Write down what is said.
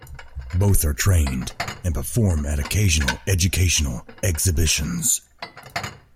Both are trained, and perform at occasional educational exhibitions.